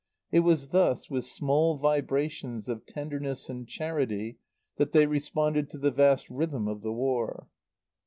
It was thus, with small vibrations of tenderness and charity, that they responded to the vast rhythm of the War.